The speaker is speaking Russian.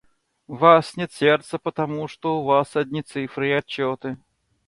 В Вас нет сердца, потому что у Вас одни цифры и отчеты!